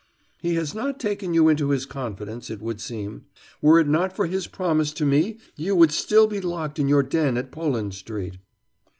"He has not taken you into his confidence, it would seem. Were it not for his promise to me you would still be locked in your den at Poland Street."